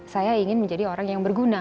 saya ingin menjadi orang yang berguna